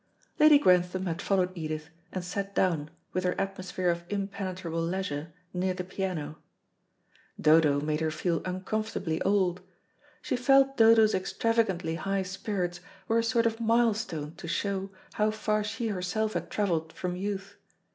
Lady Grantham had followed Edith, and sat down, with her atmosphere of impenetrable leisure, near the piano. Dodo made her feel uncomfortably old. She felt Dodo's extravagantly high spirits were a sort of milestone to show, how far she herself had travelled from youth.